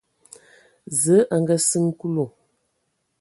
Zǝə a ngaasiŋ Kulu.